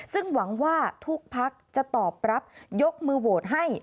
ซึ่งหวังว่าทุกพักจะตอบรับยกมือโหวตให้